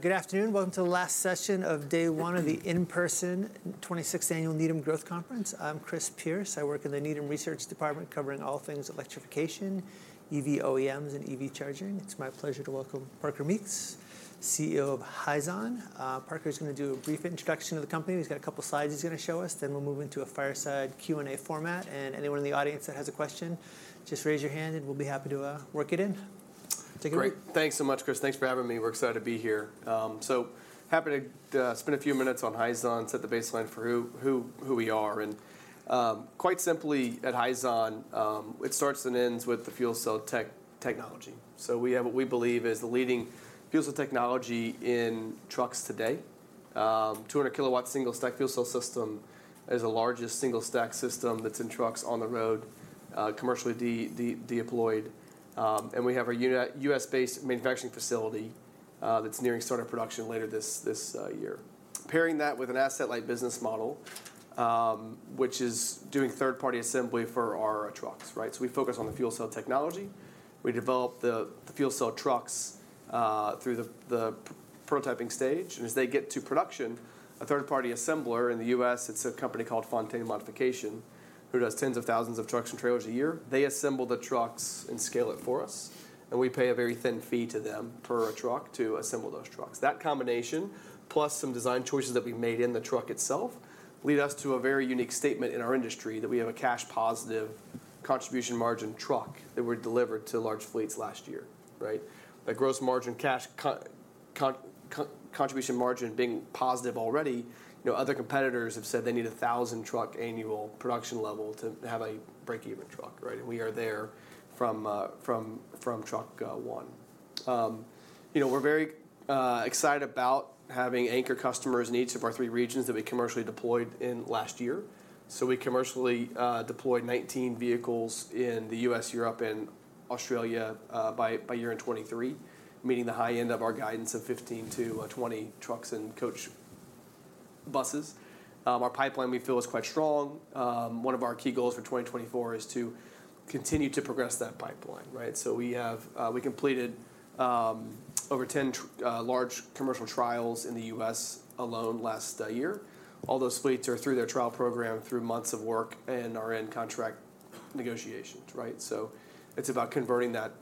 Good afternoon. Welcome to the last session of day one of the in-person 26th Annual Needham Growth Conference. I'm Chris Pierce. I work in the Needham Research department, covering all things electrification, EV OEMs, and EV charging. It's my pleasure to welcome Parker Meeks, CEO of Hyzon. Parker's gonna do a brief introduction of the company. He's got a couple slides he's gonna show us, then we'll move into a fireside Q&A format, and anyone in the audience that has a question, just raise your hand, and we'll be happy to work it in. Take it away. Great. Thanks so much, Chris. Thanks for having me. We're excited to be here. So happy to spend a few minutes on Hyzon, set the baseline for who we are, and quite simply, at Hyzon, it starts and ends with the fuel cell technology. So we have what we believe is the leading fuel cell technology in trucks today. 200 kW single-stack fuel cell system is the largest single-stack system that's in trucks on the road, commercially deployed. And we have our U.S.-based manufacturing facility, that's nearing start of production later this year. Pairing that with an asset-light business model, which is doing third-party assembly for our trucks, right? So we focus on the fuel cell technology. We develop the fuel cell trucks through the prototyping stage, and as they get to production, a third-party assembler in the U.S., it's a company called Fontaine Modification, who does tens of thousands of trucks and trailers a year. They assemble the trucks and scale it for us, and we pay a very thin fee to them per truck to assemble those trucks. That combination, plus some design choices that we've made in the truck itself, lead us to a very unique statement in our industry that we have a cash-positive contribution margin truck that we delivered to large fleets last year, right? The gross margin cash contribution margin being positive already, you know, other competitors have said they need a 1,000-truck annual production level to have a break-even truck, right? And we are there from truck one. You know, we're very excited about having anchor customers in each of our three regions that we commercially deployed in last year. So we commercially deployed 19 vehicles in the U.S., Europe, and Australia by year-end 2023, meeting the high end of our guidance of 15-20 trucks and coach buses. Our pipeline, we feel, is quite strong. One of our key goals for 2024 is to continue to progress that pipeline, right? So we have, we completed over 10 large commercial trials in the U.S. alone last year. All those fleets are through their trial program through months of work and are in contract negotiations, right? So it's about converting that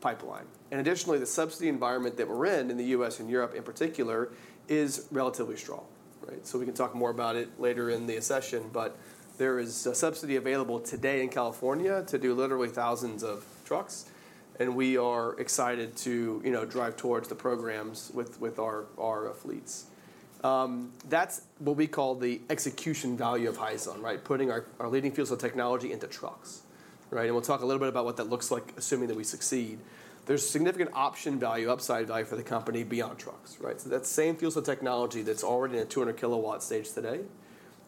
pipeline. Additionally, the subsidy environment that we're in, in the U.S. and Europe in particular, is relatively strong, right? So we can talk more about it later in the session, but there is a subsidy available today in California to do literally thousands of trucks, and we are excited to, you know, drive towards the programs with, with our, our fleets. That's what we call the execution value of Hyzon, right? Putting our, our leading fuel cell technology into trucks, right? And we'll talk a little bit about what that looks like, assuming that we succeed. There's significant option value, upside value for the company beyond trucks, right? So that same fuel cell technology that's already in a 200 kW stage today,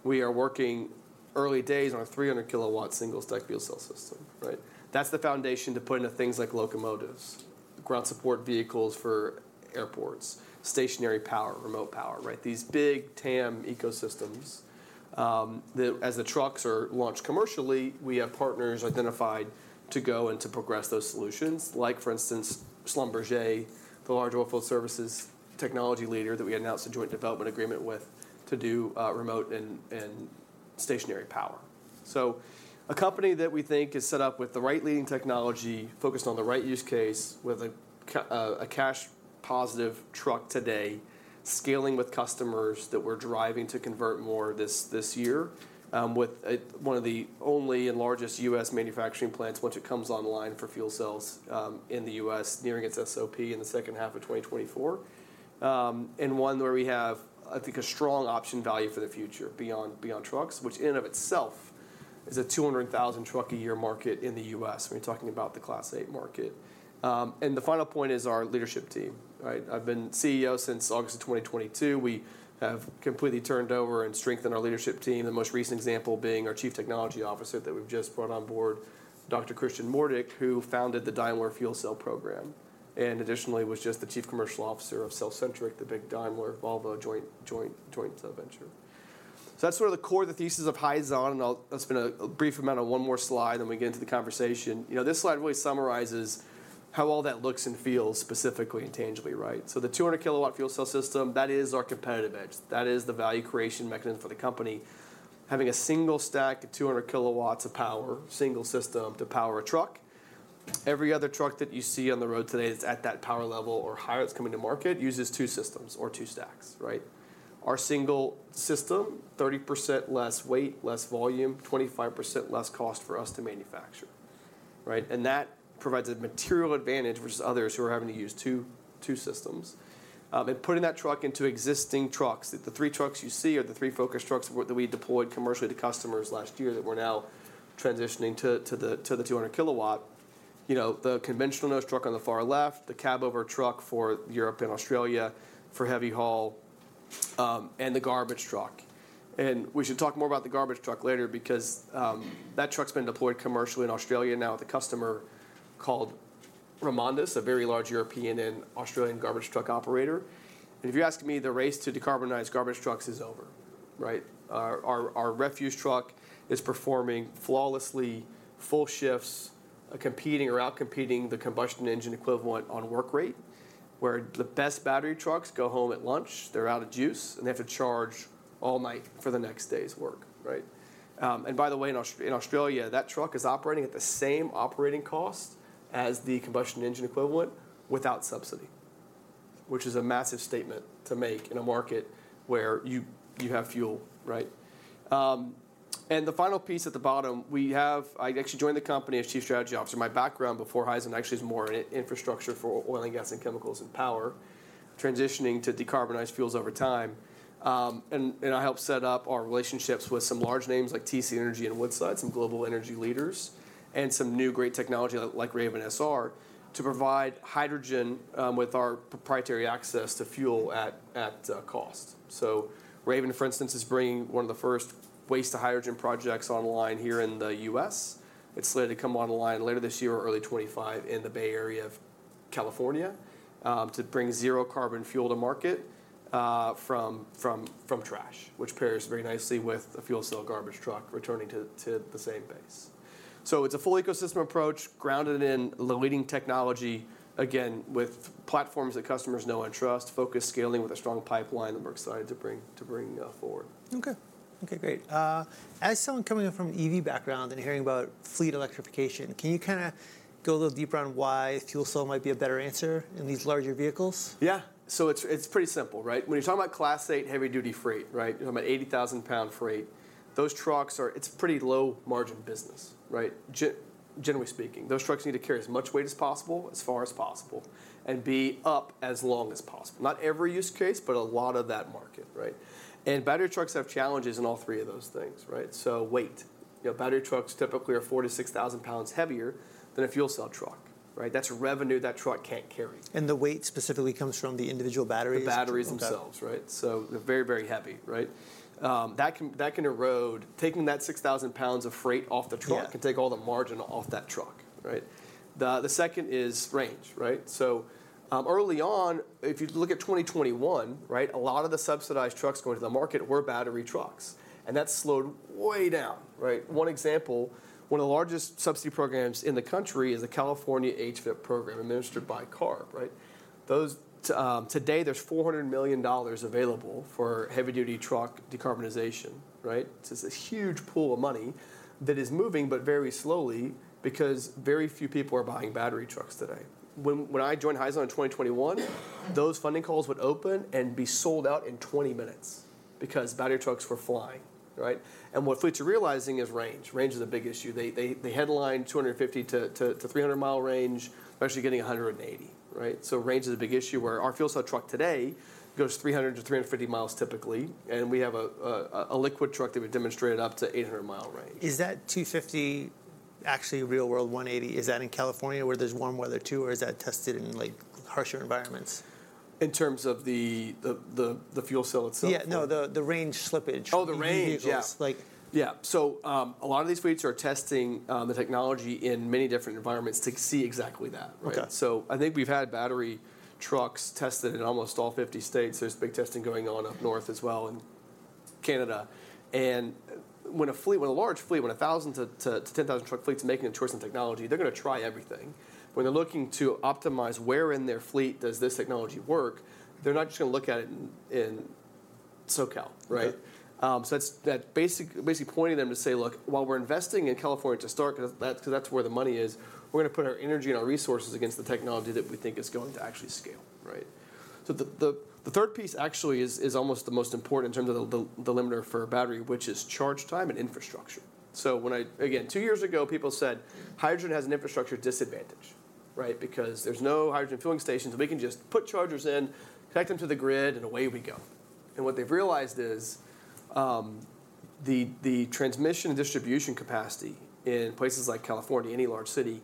we are working early days on our 300 kW single-stack fuel cell system, right? That's the foundation to put into things like locomotives, ground support vehicles for airports, stationary power, remote power, right? These big TAM ecosystems. As the trucks are launched commercially, we have partners identified to go and to progress those solutions. Like, for instance, Schlumberger, the large oilfield services technology leader that we announced a joint development agreement with to do remote and stationary power. So a company that we think is set up with the right leading technology, focused on the right use case, with a cash-positive truck today, scaling with customers that we're driving to convert more this year, with one of the only and largest U.S. manufacturing plants, once it comes online, for fuel cells in the U.S., nearing its SOP in the second half of 2024. And one where we have, I think, a strong option value for the future beyond trucks, which in of itself is a 200,000-truck-a-year market in the U.S. We're talking about the Class 8 market. The final point is our leadership team, right? I've been CEO since August of 2022. We have completely turned over and strengthened our leadership team, the most recent example being our Chief Technology Officer that we've just brought on board, Dr. Christian Mohrdieck, who founded the Daimler fuel cell program and additionally was just the Chief Commercial Officer of Cellcentric, the big Daimler-Volvo joint venture. So that's sort of the core of the thesis of Hyzon, and that's been a brief amount on one more slide, then we get into the conversation. You know, this slide really summarizes how all that looks and feels specifically and tangibly, right? So the 200 kW fuel cell system, that is our competitive edge. That is the value creation mechanism for the company. Having a single-stack, 200 kW of power, single system to power a truck. Every other truck that you see on the road today that's at that power level or higher that's coming to market uses two systems or two stacks, right? Our single system, 30% less weight, less volume, 25% less cost for us to manufacture, right? And that provides a material advantage versus others who are having to use two, two systems. And putting that truck into existing trucks, the three trucks you see are the three focus trucks that we deployed commercially to customers last year that we're now transitioning to the 200 kW. You know, the conventional nose truck on the far left, the cab-over truck for Europe and Australia, for heavy haul, and the garbage truck. We should talk more about the garbage truck later because that truck's been deployed commercially in Australia now with a customer called REMONDIS, a very large European and Australian garbage truck operator. If you ask me, the race to decarbonize garbage trucks is over. Right? Our refuse truck is performing flawlessly, full shifts, competing or outcompeting the combustion engine equivalent on work rate, where the best battery trucks go home at lunch, they're out of juice, and they have to charge all night for the next day's work, right? And by the way, in Australia, that truck is operating at the same operating cost as the combustion engine equivalent without subsidy, which is a massive statement to make in a market where you have fuel, right? And the final piece at the bottom, we have. I actually joined the company as Chief Strategy Officer. My background before Hyzon actually is more in infrastructure for oil and gas and chemicals and power, transitioning to decarbonized fuels over time. And I helped set up our relationships with some large names like TC Energy and Woodside, some global energy leaders, and some new great technology like Raven SR, to provide hydrogen with our proprietary access to fuel at cost. So Raven, for instance, is bringing one of the first waste-to-hydrogen projects online here in the U.S. It's slated to come online later this year or early 2025 in the Bay Area of California, to bring zero-carbon fuel to market from trash, which pairs very nicely with the fuel cell garbage truck returning to the same base. So it's a full ecosystem approach, grounded in the leading technology, again, with platforms that customers know and trust, focused scaling with a strong pipeline that we're excited to bring forward. Okay. Okay, great. As someone coming in from an EV background and hearing about fleet electrification, can you kinda go a little deeper on why fuel cell might be a better answer in these larger vehicles? Yeah. So it's, it's pretty simple, right? When you're talking about Class 8 heavy-duty freight, right, you're talking about 80,000-pound freight. Those trucks are... It's a pretty low-margin business, right? Generally speaking. Those trucks need to carry as much weight as possible, as far as possible, and be up as long as possible. Not every use case, but a lot of that market, right? And battery trucks have challenges in all three of those things, right? So weight. You know, battery trucks typically are 4,000-6,000 pounds heavier than a fuel cell truck, right? That's revenue that truck can't carry. The weight specifically comes from the individual batteries? The batteries themselves. Okay. Right? So they're very, very heavy, right? That can, that can erode... Taking that 6,000 pounds of freight off the truck- Yeah -can take all the margin off that truck, right? The second is range, right? So, early on, if you look at 2021, right, a lot of the subsidized trucks going to the market were battery trucks, and that's slowed way down, right? One example, one of the largest subsidy programs in the country is the California HVIP program administered by CARB, right? Those-- today, there's $400 million available for heavy-duty truck decarbonization, right? So it's a huge pool of money that is moving, but very slowly, because very few people are buying battery trucks today. When I joined Hyzon in 2021, those funding calls would open and be sold out in 20 minutes because battery trucks were flying, right? And what fleets are realizing is range. Range is a big issue. They headline 250-300-mile range, especially getting 180, right? So range is a big issue, where our fuel cell truck today goes 300-350 miles typically, and we have a liquid truck that we demonstrated up to 800-mile range. Is that 250 actually real world 180? Is that in California, where there's warm weather too, or is that tested in, like, harsher environments? In terms of the fuel cell itself? Yeah, no, the range slippage- Oh, the range! -in vehicles. Yeah. Like- Yeah. So, a lot of these fleets are testing the technology in many different environments to see exactly that, right? Okay. So I think we've had battery trucks tested in almost all 50 states. There's big testing going on up north as well, in Canada. And when a large fleet, when a 1,000-10,000-truck fleet's making a choice in technology, they're gonna try everything. When they're looking to optimize where in their fleet does this technology work, they're not just gonna look at it in SoCal, right? Okay. So that's basically pointing them to say, "Look, while we're investing in California to start, 'cause that, 'cause that's where the money is, we're gonna put our energy and our resources against the technology that we think is going to actually scale," right? So the third piece actually is almost the most important in terms of the limiter for a battery, which is charge time and infrastructure. So when I again, two years ago, people said, "Hydrogen has an infrastructure disadvantage, right? Because there's no hydrogen fueling stations. We can just put chargers in, connect them to the grid, and away we go." And what they've realized is, the transmission and distribution capacity in places like California, any large city,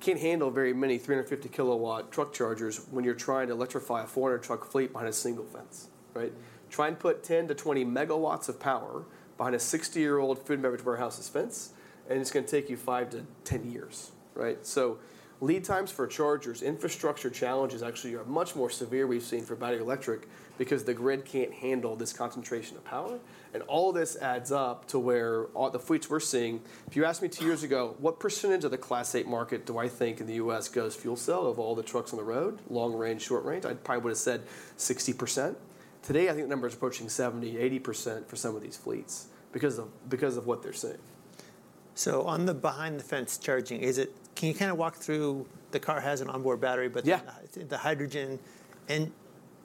can't handle very many 350 kW truck chargers when you're trying to electrify a 400-truck fleet behind a single fence, right? Try and put 10 MW-20 MW of power behind a 60-year-old food and beverage warehouse's fence, and it's gonna take you five-10 years, right? So lead times for chargers, infrastructure challenges actually are much more severe, we've seen, for battery electric because the grid can't handle this concentration of power. All this adds up to where all the fleets we're seeing— If you asked me two years ago, what percentage of the Class 8 market do I think in the U.S. goes fuel cell out of all the trucks on the road, long range, short range? I probably would've said 60%. Today, I think the number is approaching 70%, 80% for some of these fleets because of, because of what they're seeing. So, on the behind-the-fence charging, is it... Can you kinda walk through the car has an onboard battery, but- Yeah... the hydrogen, and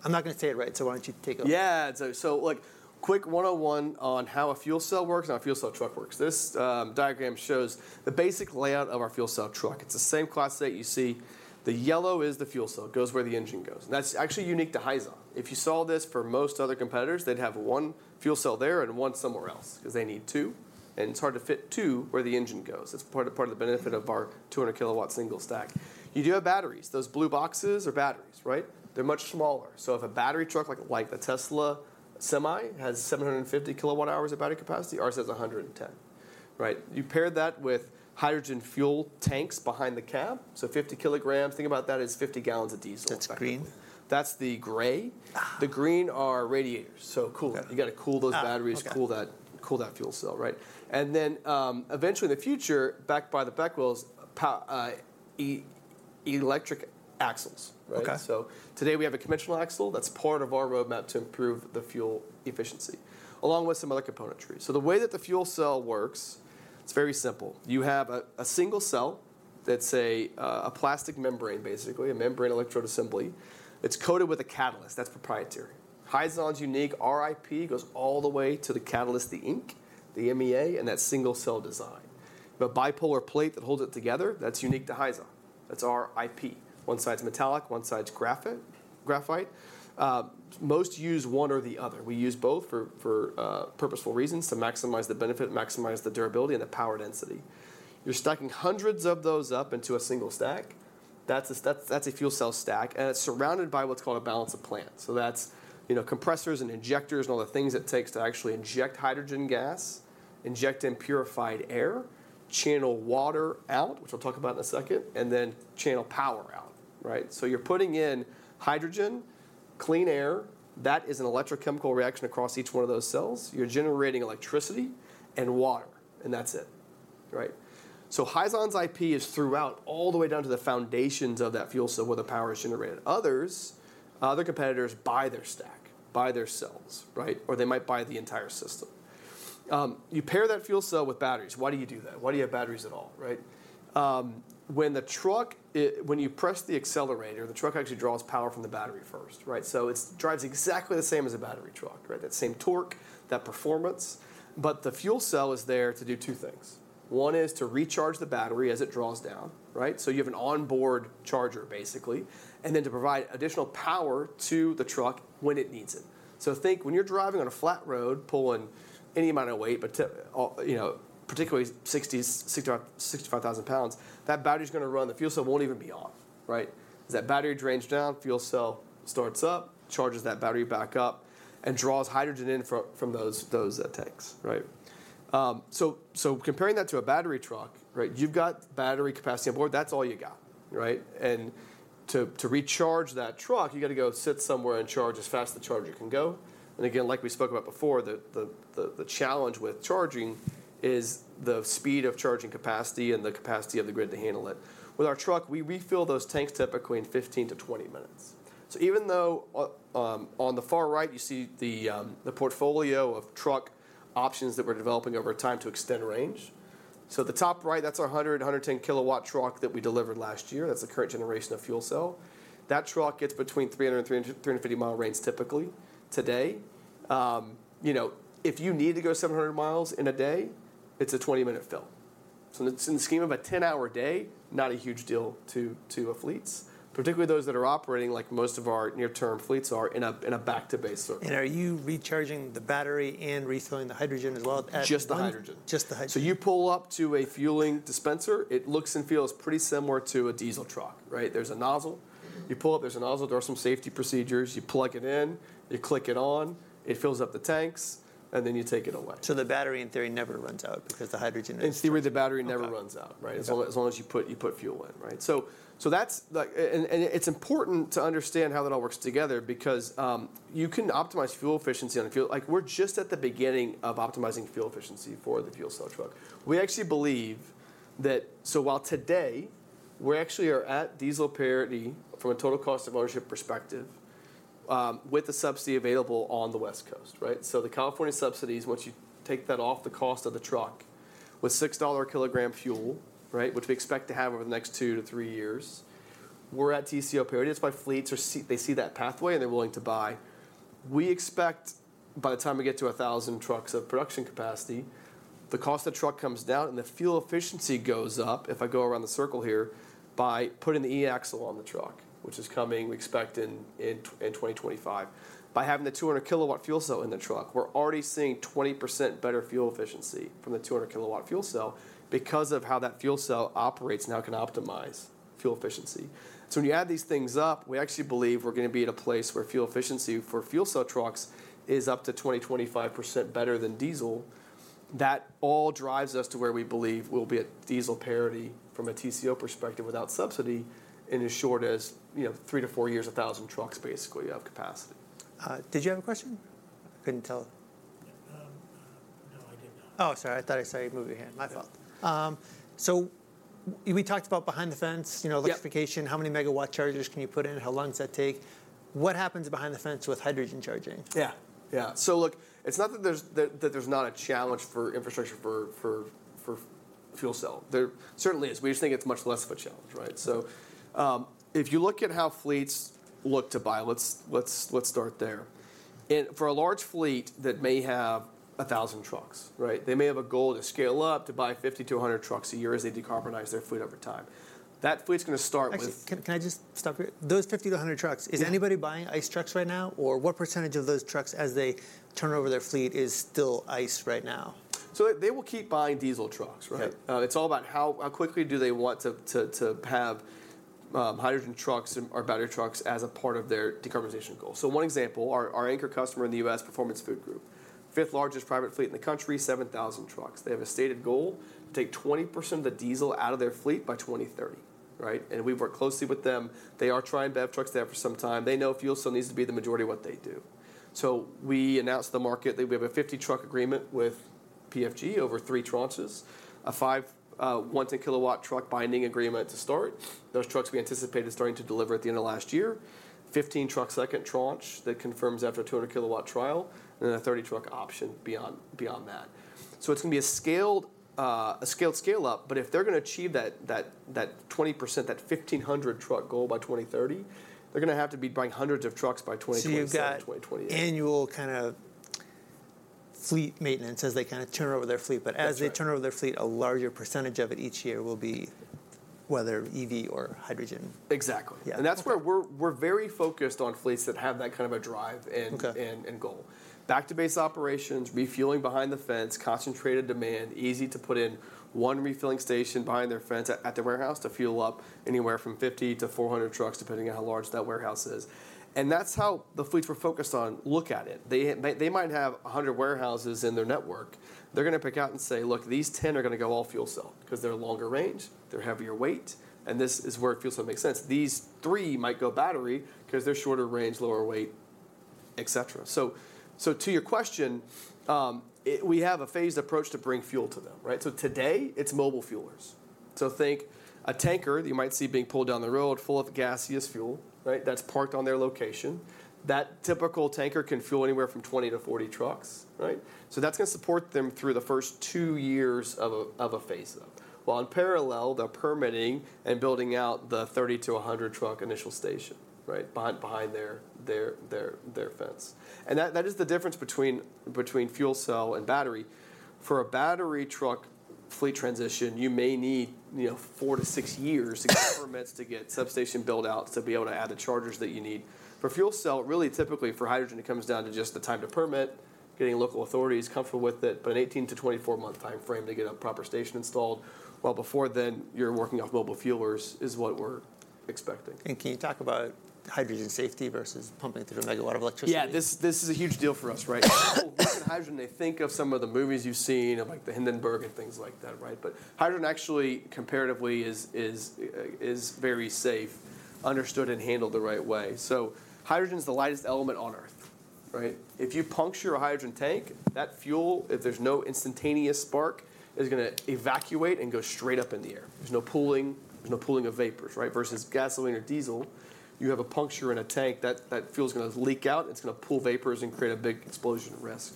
I'm not gonna say it right, so why don't you take over? Yeah. So, like, quick one-on-one on how a fuel cell works, how a fuel cell truck works. This diagram shows the basic layout of our fuel cell truck. It's the same class that you see. The yellow is the fuel cell, it goes where the engine goes, and that's actually unique to Hyzon. If you saw this for most other competitors, they'd have one fuel cell there and one somewhere else, 'cause they need two, and it's hard to fit two where the engine goes. That's part of the benefit of our 200 kW single stack. You do have batteries. Those blue boxes are batteries, right? They're much smaller. So if a battery truck, like the Tesla Semi, has 750 kWh of battery capacity, ours has 110. Right. You pair that with hydrogen fuel tanks behind the cab, so 50 kilograms. Think about that as 50 gallons of diesel. That's green? That's the gray. Ah. The green are radiators, so cool- Yeah. You gotta cool those batteries. Ah, okay. to cool that, cool that fuel cell, right? And then, eventually in the future, backed by the back wheels, electric axles, right? Okay. So today, we have a conventional axle. That's part of our roadmap to improve the fuel efficiency, along with some other componentry. So the way that the fuel cell works, it's very simple. You have a single cell that's a plastic membrane, basically, a membrane electrode assembly. It's coated with a catalyst that's proprietary. Hyzon's unique IP goes all the way to the catalyst, the ink, the MEA, and that single cell design. The bipolar plate that holds it together, that's unique to Hyzon. That's our IP. One side's metallic, one side's graphite. Most use one or the other. We use both for purposeful reasons, to maximize the benefit, maximize the durability, and the power density. You're stacking hundreds of those up into a single stack. That's a fuel cell stack, and it's surrounded by what's called a balance of plant. So that's, you know, compressors and injectors and all the things it takes to actually inject hydrogen gas, inject in purified air, channel water out, which I'll talk about in a second, and then channel power out, right? So you're putting in hydrogen, clean air. That is an electrochemical reaction across each one of those cells. You're generating electricity and water, and that's it, right? So Hyzon's IP is throughout, all the way down to the foundations of that fuel cell where the power is generated. Others, other competitors buy their stack, buy their cells, right? Or they might buy the entire system. You pair that fuel cell with batteries. Why do you do that? Why do you have batteries at all, right? When you press the accelerator, the truck actually draws power from the battery first, right? So it drives exactly the same as a battery truck, right? That same torque, that performance, but the fuel cell is there to do two things. One is to recharge the battery as it draws down, right? So you have an onboard charger, basically, and then to provide additional power to the truck when it needs it. So think, when you're driving on a flat road, pulling any amount of weight, but you know, particularly 65,000 pounds, that battery's gonna run. The fuel cell won't even be on, right? As that battery drains down, fuel cell starts up, charges that battery back up, and draws hydrogen in from those tanks, right? So, comparing that to a battery truck, right, you've got battery capacity on board. That's all you got, right? And to recharge that truck, you gotta go sit somewhere and charge as fast as the charger can go. And again, like we spoke about before, the challenge with charging is the speed of charging capacity and the capacity of the grid to handle it. With our truck, we refill those tanks typically in 15-20 minutes. So even though on the far right, you see the portfolio of truck options that we're developing over time to extend range. So at the top right, that's our 110 kW truck that we delivered last year. That's the current generation of fuel cell. That truck gets between 300-mile and 350-mile range typically. Today, you know, if you need to go 700 miles in a day, it's a 20-minute fill. So in the scheme of a 10-hour day, not a huge deal to our fleets, particularly those that are operating like most of our near-term fleets are, in a back-to-base circuit. Are you recharging the battery and refilling the hydrogen as well at- Just the hydrogen. Just the hydrogen. You pull up to a fueling dispenser. It looks and feels pretty similar to a diesel truck, right? There's a nozzle. You pull up, there's a nozzle. There are some safety procedures. You plug it in, you click it on, it fills up the tanks, and then you take it away. So the battery, in theory, never runs out because the hydrogen- In theory, the battery never runs out- Okay... right, as long as, as long as you put, you put fuel in, right? So, so that's, like... and it's important to understand how that all works together because you can optimize fuel efficiency on a fuel—like, we're just at the beginning of optimizing fuel efficiency for the fuel cell truck. We actually believe that... So while today, we actually are at diesel parity from a total cost of ownership perspective, with the subsidy available on the West Coast, right? So the California subsidies, once you take that off the cost of the truck, with $6 a kilogram fuel, right, which we expect to have over the next two to three years, we're at TCO parity. That's why fleets they see that pathway, and they're willing to buy. We expect by the time we get to 1,000 trucks of production capacity, the cost of the truck comes down, and the fuel efficiency goes up, if I go around the circle here, by putting the eAxle on the truck, which is coming, we expect, in 2025. By having the 200 kW fuel cell in the truck, we're already seeing 20% better fuel efficiency from the 200 kW fuel cell because of how that fuel cell operates now can optimize fuel efficiency. So when you add these things up, we actually believe we're gonna be at a place where fuel efficiency for fuel cell trucks is up to 20%-25% better than diesel. That all drives us to where we believe we'll be at diesel parity from a TCO perspective without subsidy in as short as, you know, three to four years, 1,000 trucks, basically, of capacity. Did you have a question? I couldn't tell. No, I did not. Oh, sorry. I thought I saw you move your hand. My fault. Yeah. So we talked about behind the fence, you know- Yep... electrification, how many megawatt chargers can you put in, how long does that take? What happens behind the fence with hydrogen charging? Yeah. Yeah. So look, it's not that there's not a challenge for infrastructure for fuel cell. There certainly is, we just think it's much less of a challenge, right? So, if you look at how fleets look to buy, let's start there. For a large fleet that may have 1,000 trucks, right, they may have a goal to scale up to buy 50-100 trucks a year as they decarbonize their fleet over time. That fleet's gonna start with- Actually, can I just stop you? Those 50-100 trucks- Yeah... is anybody buying ICE trucks right now, or what percentage of those trucks, as they turn over their fleet, is still ICE right now? They will keep buying diesel trucks, right? Okay. It's all about how quickly they want to have hydrogen trucks and or battery trucks as a part of their decarbonization goal. So one example, our anchor customer in the U.S., Performance Food Group, fifth largest private fleet in the country, 7,000 trucks. They have a stated goal to take 20% of the diesel out of their fleet by 2030, right? And we work closely with them. They are trying BEV trucks there for some time. They know fuel cell needs to be the majority of what they do. So we announced to the market that we have a 50-truck agreement with PFG over three tranches, a 100 kW truck binding agreement to start. Those trucks we anticipated starting to deliver at the end of last year. 15 trucks, second tranche, that confirms after a 200 kW trial, and then a 30-truck option beyond that. So it's gonna be a scaled, a scaled scale-up, but if they're gonna achieve that, that twenty percent, that 1,500 truck goal by 2030, they're gonna have to be buying hundreds of trucks by 2027, 2028. You've got annual kind of fleet maintenance as they kinda turn over their fleet. That's right. As they turn over their fleet, a larger percentage of it each year will be whether EV or hydrogen. Exactly. Yeah, okay. That's where we're very focused on fleets that have that kind of a drive and- Okay... and goal. Back to base operations, refueling behind the fence, concentrated demand, easy to put in one refilling station behind their fence at the warehouse to fuel up anywhere from 50-400 trucks, depending on how large that warehouse is. And that's how the fleets we're focused on look at it. They might have 100 warehouses in their network. They're gonna pick out and say: "Look, these 10 are gonna go all fuel cell 'cause they're longer range, they're heavier weight, and this is where it fuel cell makes sense. These three might go battery 'cause they're shorter range, lower weight," etc. So to your question, it, we have a phased approach to bring fuel to them, right? So today, it's mobile fuelers. So think a tanker that you might see being pulled down the road full of gaseous fuel, right? That's parked on their location. That typical tanker can fuel anywhere from 20-40 trucks, right? So that's gonna support them through the first two years of a phase-up. While in parallel, they're permitting and building out the 30- to 100-truck initial station, right? Behind their fence. And that is the difference between fuel cell and battery. For a battery truck fleet transition, you may need, you know, four to six years to get permits, to get substation build-outs, to be able to add the chargers that you need. For fuel cell, really, typically for hydrogen, it comes down to just the time to permit, getting local authorities comfortable with it, but an 18- to 24-month time frame to get a proper station installed, while before then, you're working off mobile fuelers, is what we're expecting. Can you talk about hydrogen safety versus pumping through a megawatt of electricity? Yeah, this, this is a huge deal for us, right? People think of hydrogen, they think of some of the movies you've seen, of like the Hindenburg and things like that, right? But hydrogen actually, comparatively, is very safe, understood and handled the right way. So hydrogen is the lightest element on Earth, right? If you puncture a hydrogen tank, that fuel, if there's no instantaneous spark, is gonna evacuate and go straight up in the air. There's no pooling, there's no pooling of vapors, right? Versus gasoline or diesel, you have a puncture in a tank, that fuel's gonna leak out, and it's gonna pool vapors and create a big explosion risk.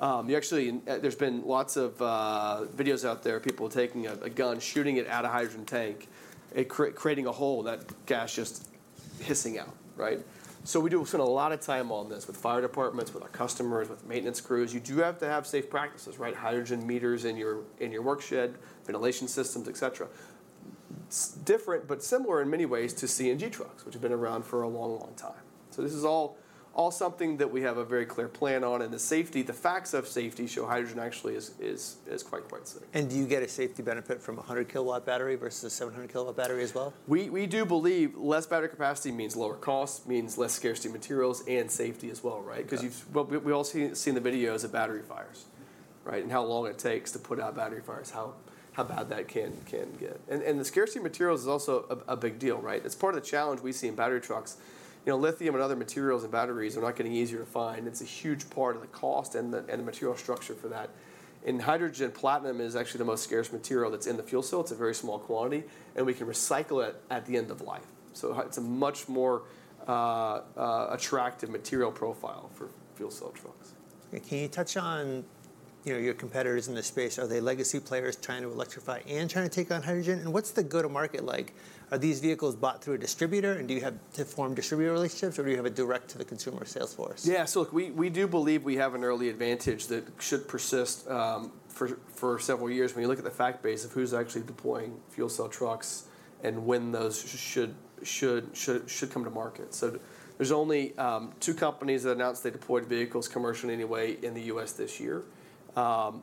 You actually—There's been lots of videos out there, people taking a gun, shooting it at a hydrogen tank, it creating a hole, and that gas just hissing out, right? So we do spend a lot of time on this with fire departments, with our customers, with maintenance crews. You do have to have safe practices, right? Hydrogen meters in your workshed, ventilation systems, etc. Different, but similar in many ways to CNG trucks, which have been around for a long, long time. So this is all something that we have a very clear plan on, and the safety, the facts of safety show hydrogen actually is quite similar. Do you get a safety benefit from a 100 kW battery versus a 700 kW battery as well? We do believe less battery capacity means lower cost, means less scarcity of materials, and safety as well, right? Got- Well, we all have seen the videos of battery fires, right? And how long it takes to put out battery fires, how bad that can get. And the scarcity of materials is also a big deal, right? It's part of the challenge we see in battery trucks. You know, lithium and other materials in batteries are not getting easier to find. It's a huge part of the cost and the material structure for that. In hydrogen, platinum is actually the most scarce material that's in the fuel cell. It's a very small quantity, and we can recycle it at the end of life. So it's a much more attractive material profile for fuel cell trucks. Can you touch on, you know, your competitors in this space? Are they legacy players trying to electrify and trying to take on hydrogen? And what's the go-to-market like? Are these vehicles bought through a distributor, and do you have to form distributor relationships, or do you have a direct to the consumer sales force? Yeah, so look, we do believe we have an early advantage that should persist for several years when you look at the fact base of who's actually deploying fuel cell trucks and when those should come to market. So there's only two companies that announced they deployed vehicles commercially anyway in the U.S. this year. Of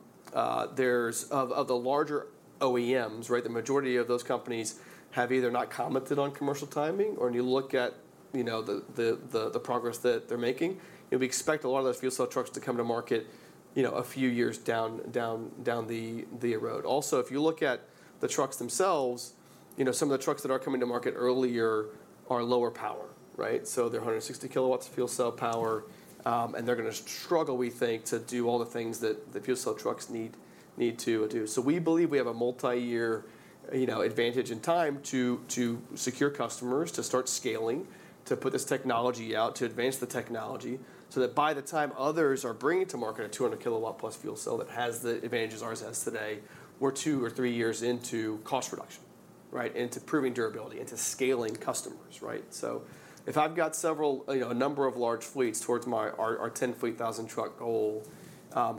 the larger OEMs, right, the majority of those companies have either not commented on commercial timing, or when you look at, you know, the progress that they're making, and we expect a lot of those fuel cell trucks to come to market, you know, a few years down the road. Also, if you look at the trucks themselves, you know, some of the trucks that are coming to market earlier are lower power, right? So they're 160 kW of fuel cell power, and they're gonna struggle, we think, to do all the things that the fuel cell trucks need, need to do. So we believe we have a multi-year, you know, advantage and time to, to secure customers, to start scaling, to put this technology out, to advance the technology, so that by the time others are bringing to market a 200 kW+ fuel cell that has the advantages ours has today, we're two or three years into cost reduction, right, into proving durability, into scaling customers, right? So if I've got several, you know, a number of large fleets towards my, our, our 10-fleet, 1,000-truck goal,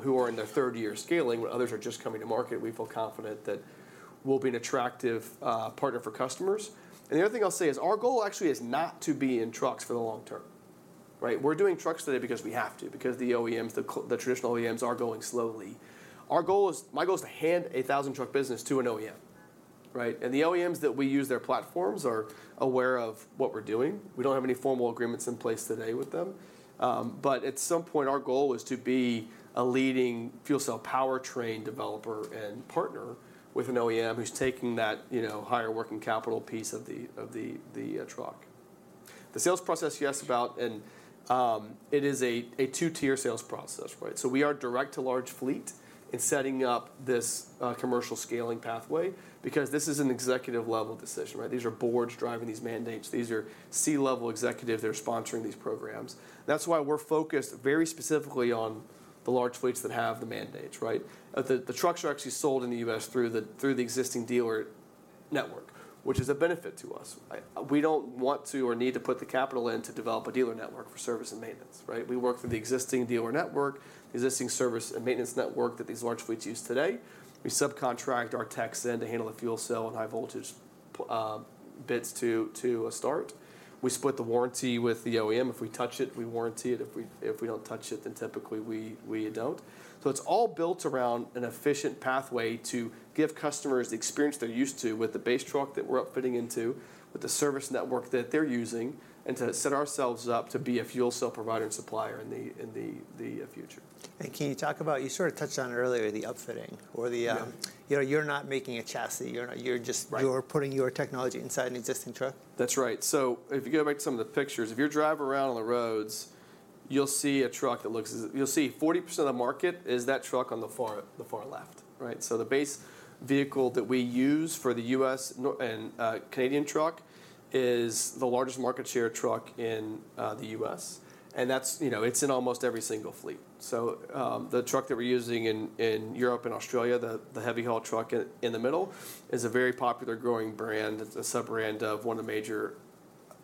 who are in their third year of scaling, where others are just coming to market, we feel confident that we'll be an attractive partner for customers. And the other thing I'll say is, our goal actually is not to be in trucks for the long term. Right, we're doing trucks today because we have to, because the OEMs, the traditional OEMs are going slowly. Our goal is, my goal is to hand a 1,000-truck business to an OEM, right? And the OEMs that we use their platforms are aware of what we're doing. We don't have any formal agreements in place today with them. But at some point, our goal is to be a leading fuel cell powertrain developer and partner with an OEM who's taking that, you know, higher working capital piece of the truck. The sales process, you asked about, and, it is a two-tier sales process, right? So we are direct to large fleet in setting up this, commercial scaling pathway, because this is an executive-level decision, right? These are boards driving these mandates. These are C-level executives, they're sponsoring these programs. That's why we're focused very specifically on the large fleets that have the mandates, right? The trucks are actually sold in the U.S. through the existing dealer network, which is a benefit to us, right? We don't want to or need to put the capital in to develop a dealer network for service and maintenance, right? We work through the existing dealer network, the existing service and maintenance network that these large fleets use today. We subcontract our techs in to handle the fuel cell and high voltage bits to a start. We split the warranty with the OEM. If we touch it, we warranty it. If we don't touch it, then typically, we don't. So it's all built around an efficient pathway to give customers the experience they're used to with the base truck that we're upfitting into, with the service network that they're using, and to set ourselves up to be a fuel cell provider and supplier in the future. Can you talk about... You sort of touched on it earlier, the upfitting or the, Yeah. You know, you're not making a chassis, you're just- Right. You're putting your technology inside an existing truck. That's right. So if you go back to some of the pictures, if you're driving around on the roads, you'll see a truck that looks... You'll see 40% of the market is that truck on the far, the far left, right? So the base vehicle that we use for the U.S. and Canadian truck is the largest market share truck in the U.S., and that's, you know, it's in almost every single fleet. So the truck that we're using in Europe and Australia, the heavy haul truck in the middle, is a very popular growing brand. It's a sub-brand of one of the major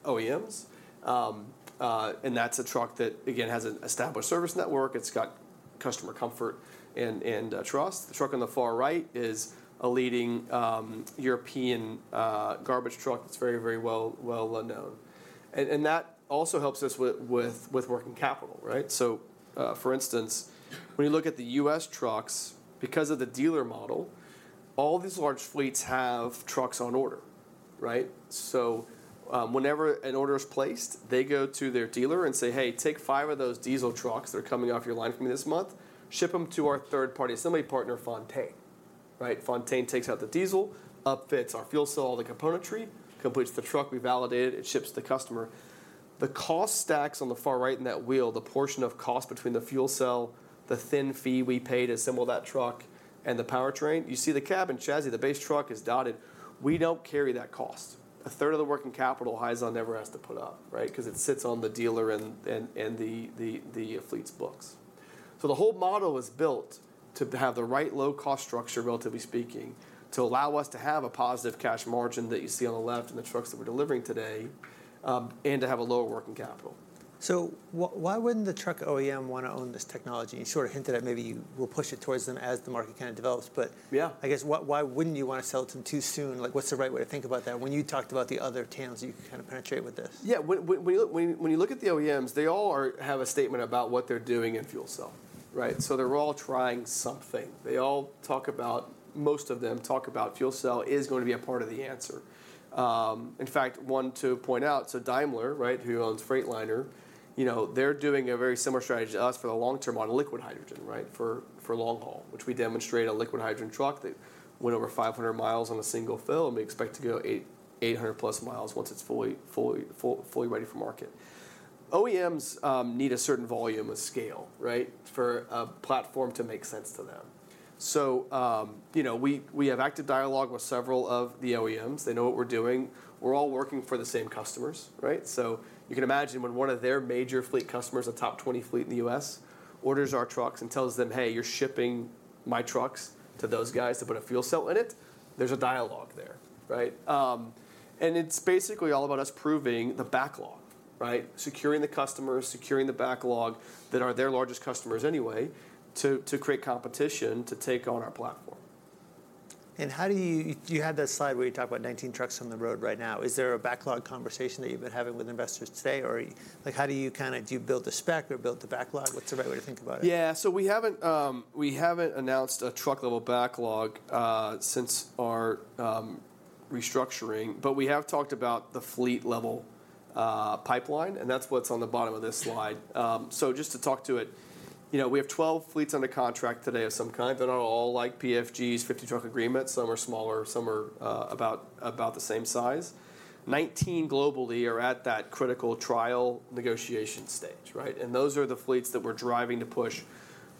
OEMs. And that's a truck that, again, has an established service network. It's got customer comfort and trust. The truck on the far right is a leading European garbage truck that's very well-known. And that also helps us with working capital, right? So, for instance, when you look at the U.S. trucks, because of the dealer model, all these large fleets have trucks on order, right? So, whenever an order is placed, they go to their dealer and say, "Hey, take five of those diesel trucks that are coming off your line for me this month. Ship them to our third-party assembly partner, Fontaine," right? Fontaine takes out the diesel, upfits our fuel cell, the componentry, completes the truck, we validate it, it ships to the customer. The cost stacks on the far right in that wheel, the portion of cost between the fuel cell, the thin fee we pay to assemble that truck, and the powertrain. You see the cab and chassis, the base truck is dotted. We don't carry that cost. A third of the working capital Hyzon never has to put up, right? Because it sits on the dealer and the fleet's books. So the whole model is built to have the right low cost structure, relatively speaking, to allow us to have a positive cash margin that you see on the left in the trucks that we're delivering today, and to have a lower working capital. So why wouldn't the truck OEM want to own this technology? You sort of hinted that maybe you will push it towards them as the market kind of develops, but- Yeah... I guess, why, why wouldn't you want to sell it to them too soon? Like, what's the right way to think about that when you talked about the other TAMs that you can kind of penetrate with this? Yeah. When you look at the OEMs, they all have a statement about what they're doing in fuel cell, right? So they're all trying something. Most of them talk about fuel cell is going to be a part of the answer. In fact, one to point out, so Daimler, right, who owns Freightliner, you know, they're doing a very similar strategy to us for the long term on liquid hydrogen, right? For long haul, which we demonstrate a liquid hydrogen truck that went over 500 miles on a single fill, and we expect to go 800+ miles once it's fully ready for market. OEMs need a certain volume of scale, right, for a platform to make sense to them. So, you know, we have active dialogue with several of the OEMs. They know what we're doing. We're all working for the same customers, right? So you can imagine when one of their major fleet customers, a top 20 fleet in the U.S., orders our trucks and tells them: "Hey, you're shipping my trucks to those guys to put a fuel cell in it," there's a dialogue there, right? And it's basically all about us proving the backlog, right? Securing the customers, securing the backlog, that are their largest customers anyway, to create competition to take on our platform. How do you... You had that slide where you talked about 19 trucks on the road right now. Is there a backlog conversation that you've been having with investors today, or are you-- Like, how do you kind of... Do you build to spec or build to backlog? What's the right way to think about it? Yeah. So we haven't, we haven't announced a truck-level backlog since our restructuring, but we have talked about the fleet-level pipeline, and that's what's on the bottom of this slide. So just to talk to it, you know, we have 12 fleets under contract today of some kind. They're not all like PFG's 50-truck agreement. Some are smaller, some are about, about the same size. 19 globally are at that critical trial negotiation stage, right? And those are the fleets that we're driving to push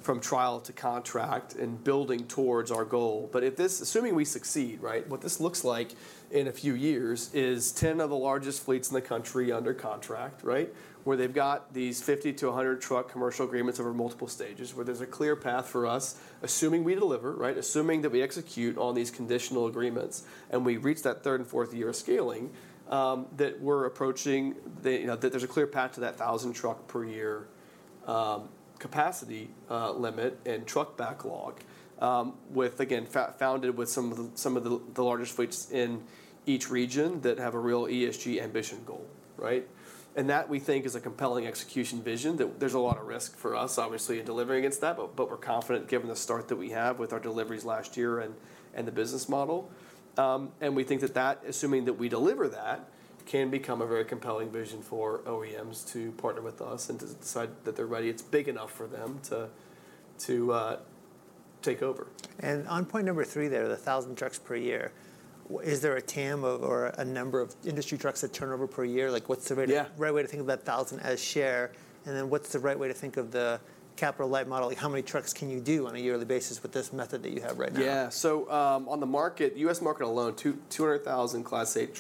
from trial to contract and building towards our goal. But if this. Assuming we succeed, right, what this looks like in a few years is 10 of the largest fleets in the country under contract, right? Where they've got these 50- to 100-truck commercial agreements over multiple stages, where there's a clear path for us, assuming we deliver, right, assuming that we execute on these conditional agreements, and we reach that third and fourth year of scaling, that we're approaching, the, you know, that there's a clear path to that 1,000 truck per year capacity limit and truck backlog, with, again, founded with some of the, some of the, the largest fleets in each region that have a real ESG ambition goal, right? And that, we think, is a compelling execution vision, that there's a lot of risk for us, obviously, in delivering against that, but, but we're confident, given the start that we have with our deliveries last year and, and the business model. We think that, assuming that we deliver that, can become a very compelling vision for OEMs to partner with us and to decide that they're ready. It's big enough for them to take over. On point number three, there, the 1,000 trucks per year, is there a TAM of or a number of industry trucks that turn over per year? Like, what's the right- Yeah... right way to think of that 1,000 as share, and then what's the right way to think of the capital light model? Like, how many trucks can you do on a yearly basis with this method that you have right now? Yeah. So, on the market, U.S. market alone, 200,000 Class 8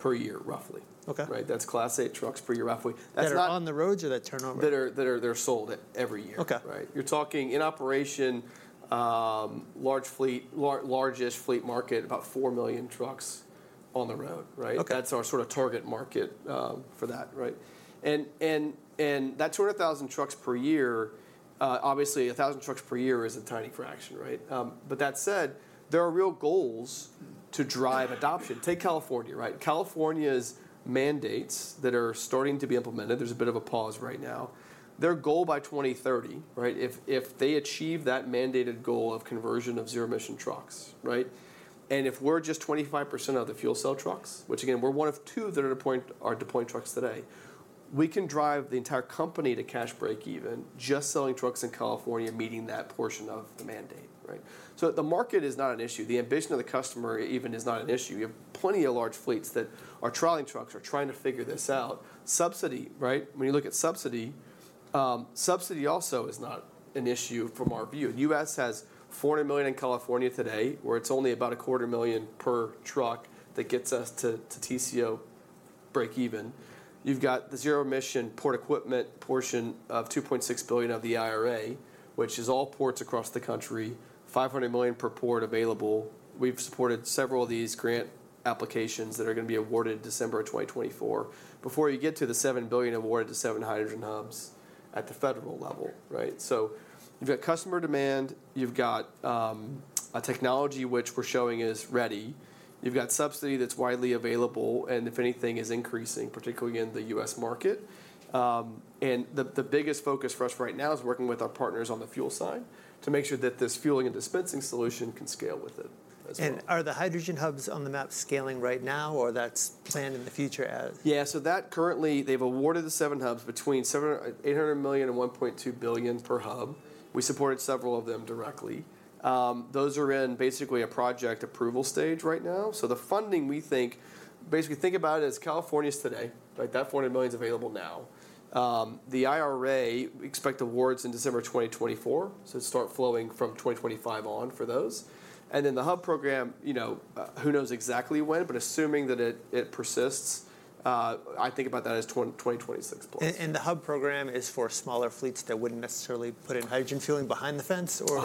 trucks per year, roughly. Okay. Right? That's Class 8 trucks per year, roughly. That's not- That are on the road or that turn over? They're sold every year. Okay. Right? You're talking in operation, large fleet, largest fleet market, about 4 million trucks on the road, right? Okay. That's our sort of target market for that, right? And that 200,000 trucks per year, obviously, 1,000 trucks per year is a tiny fraction, right? But that said, there are real goals to drive adoption. Take California, right? California's mandates that are starting to be implemented, there's a bit of a pause right now, their goal by 2030, right, if they achieve that mandated goal of conversion of zero-emission trucks, right, and if we're just 25% of the fuel cell trucks, which again, we're one of two that are deploying trucks today, we can drive the entire company to cash breakeven, just selling trucks in California, meeting that portion of the mandate, right? So the market is not an issue. The ambition of the customer even is not an issue. You have plenty of large fleets that are trialing trucks, are trying to figure this out. Subsidy, right? When you look at subsidy, subsidy also is not an issue from our view. The U.S. has $400 million in California today, where it's only about $250,000 per truck that gets us to TCO breakeven. You've got the zero-emission port equipment portion of $2.6 billion of the IRA, which is all ports across the country, $500 million per port available. We've supported several of these grant applications that are gonna be awarded December of 2024, before you get to the $7 billion awarded to 7 hydrogen hubs at the federal level, right? So you've got customer demand, you've got, a technology which we're showing is ready, you've got subsidy that's widely available, and if anything, is increasing, particularly in the U.S. market. The biggest focus for us right now is working with our partners on the fuel side to make sure that this fueling and dispensing solution can scale with it as well. Are the hydrogen hubs on the map scaling right now, or that's planned in the future as- Yeah, so that currently, they've awarded the 7 hubs between $700 million-$800 million and $1.2 billion per hub. We supported several of them directly. Those are in basically a project approval stage right now. So the funding, we think... Basically, think about it as California's today, right? That $400 million's available now. The IRA, we expect awards in December 2024, so start flowing from 2025 on for those. And then the hub program, you know, who knows exactly when, but assuming that it, it persists, I think about that as 2026. The hub program is for smaller fleets that wouldn't necessarily put in hydrogen fueling behind the fence, or?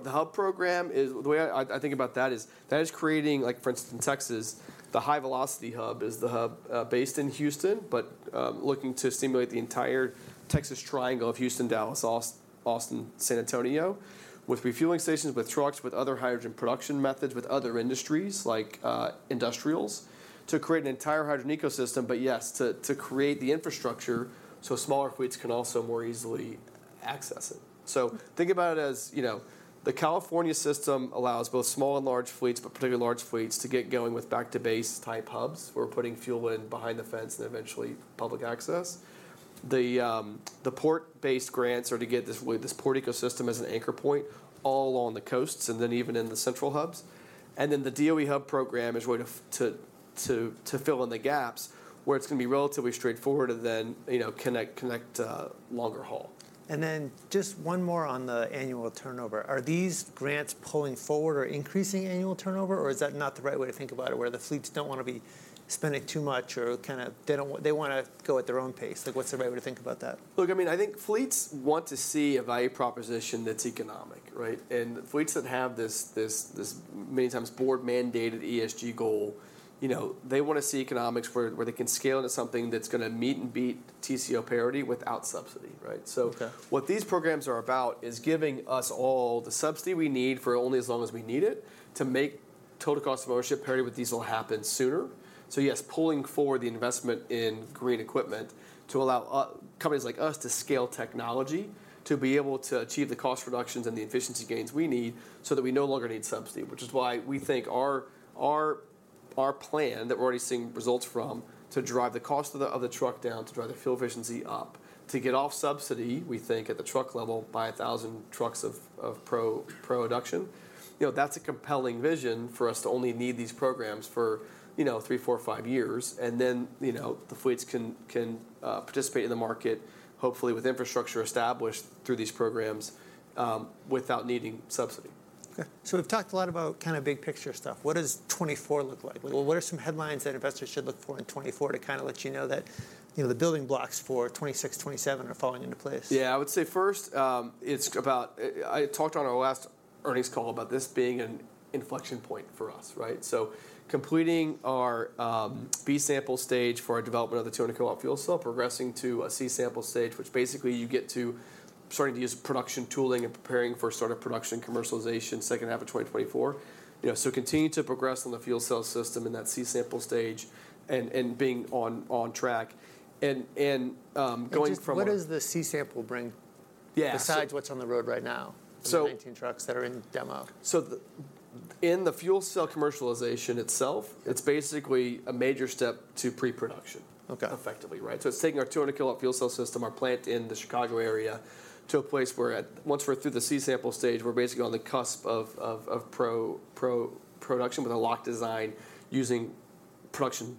The hub program is the way I think about that is, that is creating, like for instance, in Texas, the HyVelocity Hub is the hub based in Houston, but looking to stimulate the entire Texas Triangle of Houston, Dallas, Austin, San Antonio, with refueling stations, with trucks, with other hydrogen production methods, with other industries, like industrials, to create an entire hydrogen ecosystem. But yes, to create the infrastructure so smaller fleets can also more easily access it. So think about it as, you know, the California system allows both small and large fleets, but particularly large fleets, to get going with back to base-type hubs. We're putting fuel in behind the fence and eventually public access. The port-based grants are to get this, with this port ecosystem as an anchor point all along the coasts and then even in the central hubs. And then the DOE hub program is going to fill in the gaps where it's gonna be relatively straightforward and then, you know, connect longer haul. And then just one more on the annual turnover. Are these grants pulling forward or increasing annual turnover, or is that not the right way to think about it, where the fleets don't wanna be spending too much, or kind of they don't they wanna go at their own pace? Like, what's the right way to think about that? Look, I mean, I think fleets want to see a value proposition that's economic, right? And fleets that have this, this, this, many times board-mandated ESG goal, you know, they wanna see economics where, where they can scale into something that's gonna meet and beat TCO parity without subsidy, right? Okay. So what these programs are about is giving us all the subsidy we need, for only as long as we need it, to make total cost of ownership parity with diesel happen sooner. So yes, pulling forward the investment in green equipment to allow companies like us to scale technology, to be able to achieve the cost reductions and the efficiency gains we need, so that we no longer need subsidy. Which is why we think our plan, that we're already seeing results from, to drive the cost of the truck down, to drive the fuel efficiency up, to get off subsidy, we think, at the truck level, by 1,000 trucks of pre-production. You know, that's a compelling vision for us to only need these programs for, you know, three, four, five years, and then, you know, the fleets can participate in the market, hopefully with infrastructure established through these programs, without needing subsidy. Okay, so we've talked a lot about kind of big picture stuff. What does 2024 look like? Well, what are some headlines that investors should look for in 2024 to kind of let you know that, you know, the building blocks for 2026, 2027 are falling into place? Yeah, I would say first, it's about, I talked on our last earnings call about this being an inflection point for us, right? So completing our B-sample stage for our development of the 200 kW fuel cell, progressing to a C-sample stage, which basically you get to starting to use production tooling and preparing for sort of production commercialization second half of 2024. You know, so continuing to progress on the fuel cell system in that C-sample stage and being on track and going from- What does the C-sample bring- Yeah... besides what's on the road right now- So- -the 19 trucks that are in demo? So in the fuel cell commercialization itself, it's basically a major step to pre-production. Okay. Effectively, right? So it's taking our 200 kW fuel cell system, our plant in the Chicago area, to a place where, once we're through the C-sample stage, we're basically on the cusp of production with a locked design using production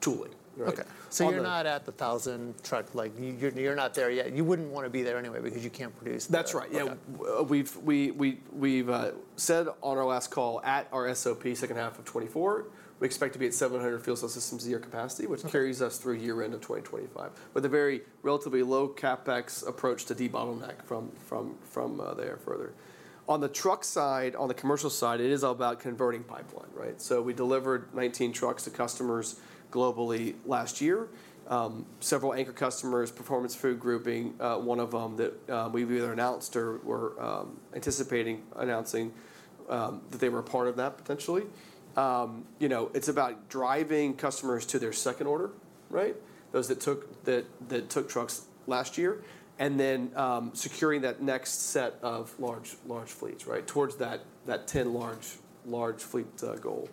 tooling. Right. Okay. So- You're not at the 1,000 truck. Like, you're, you're not there yet. You wouldn't wanna be there anyway because you can't produce. That's right. Okay. Yeah, we've said on our last call, at our SOP, second half of 2024, we expect to be at 700 fuel cell systems a year capacity- Okay.... which carries us through year end of 2025, with a very relatively low CapEx approach to debottleneck from there further. On the truck side, on the commercial side, it is all about converting pipeline, right? So we delivered 19 trucks to customers globally last year. Several anchor customers, Performance Food Group being one of them, that we've either announced or were anticipating announcing that they were a part of that potentially. You know, it's about driving customers to their second order, right? Those that took—that took trucks last year, and then securing that next set of large fleets, right? Towards that 10 large fleet goal.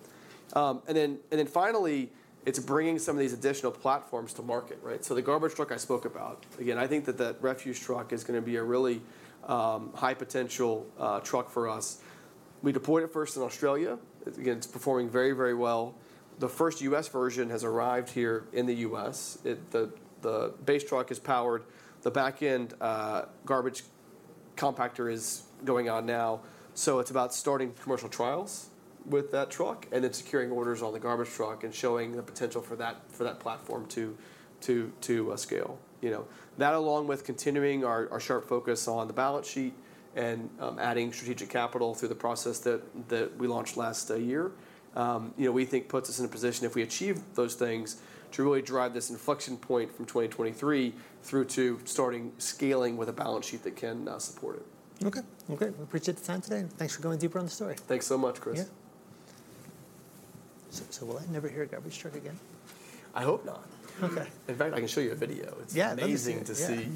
And then finally, it's bringing some of these additional platforms to market, right? So the garbage truck I spoke about, again, I think that the refuse truck is gonna be a really high potential truck for us. We deployed it first in Australia. Again, it's performing very, very well. The first U.S. version has arrived here in the U.S. The base truck is powered, the back end garbage compactor is going on now. So it's about starting commercial trials with that truck, and then securing orders on the garbage truck and showing the potential for that platform to scale, you know. That, along with continuing our sharp focus on the balance sheet and adding strategic capital through the process that we launched last year, you know, we think puts us in a position, if we achieve those things, to really drive this inflection point from 2023 through to starting scaling with a balance sheet that can support it. Okay. Okay, we appreciate the time today, and thanks for going deeper on the story. Thanks so much, Chris. Yeah. So, so will I never hear a garbage truck again? I hope not. Okay. In fact, I can show you a video. Yeah, let me see. It's amazing to see.